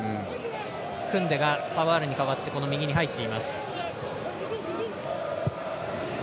クンデがパバールに代わって右に入っています。